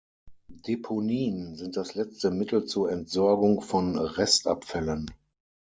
Deponien sind das letzte Mittel zur Entsorgung von Restabfällen.